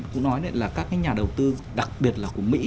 cũng nói là các cái nhà đầu tư đặc biệt là của mỹ